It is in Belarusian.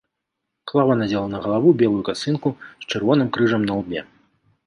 Клава надзела на галаву белую касынку з чырвоным крыжам на лбе.